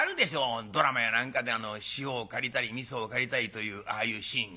ドラマや何かで塩を借りたりみそを借りたりというああいうシーンが」。